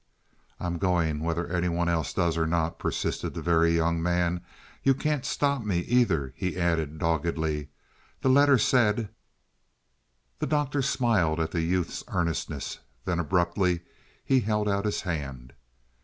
"I'm going whether any one else does or not," persisted the Very Young Man. "You can't stop me, either," he added doggedly. "That letter said " The Doctor smiled at the youth's earnestness. Then abruptly he held out his hand.